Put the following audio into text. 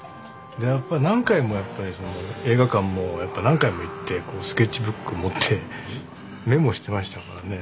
やっぱり何回も映画館も何回も行ってスケッチブック持ってメモしてましたからね。